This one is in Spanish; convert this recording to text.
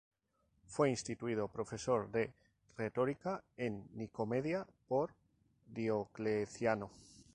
Fue instituido profesor de retórica en Nicomedia por Diocleciano.